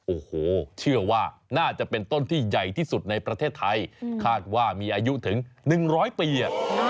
โอ้โหเชื่อว่าน่าจะเป็นต้นที่ใหญ่ที่สุดในประเทศไทยคาดว่ามีอายุถึง๑๐๐ปี